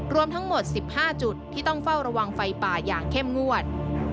รวมทั้งหมด๑๕จุดที่ต้องเฝ้าระวังไฟป่าอย่างเข้มงวด